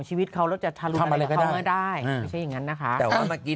ชีวิตเขาแล้วจะทะลุมอะไรกับเขาไม่ได้ไม่ใช่อย่างนั้นนะคะแต่ว่าเมื่อกี้